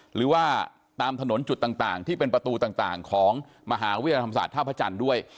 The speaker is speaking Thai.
หรือว่าตามถนนจุดต่างที่เป็นประตูต่างของมหาวิทยาลัยธรรมศาสตร์ท่าพระจันทร์ด้วย